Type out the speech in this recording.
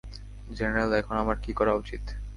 General, এখন আমার কী করা উচিৎ?